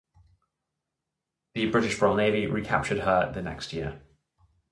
The British Royal Navy recaptured her the next year.